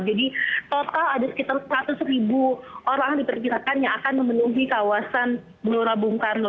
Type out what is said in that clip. jadi total ada sekitar seratus ribu orang diperkirakan yang akan memenuhi kawasan gelora bung karno